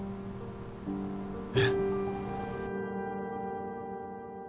えっ。